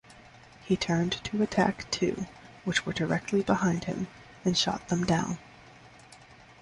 He turned to attack two, which were directly behind him, and shot them down.